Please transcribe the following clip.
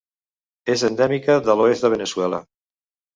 És endèmica de l'oest de Veneçuela.